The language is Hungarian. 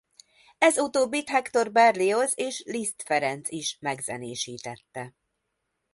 Ez utóbbit Hector Berlioz és Liszt Ferenc is megzenésítette.